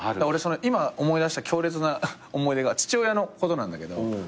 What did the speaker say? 俺今思い出した強烈な思い出が父親のことなんだけど。